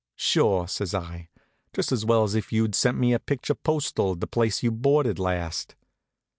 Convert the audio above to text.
"Sure," says I, "just as well as if you'd sent me a picture postal of the place you boarded last."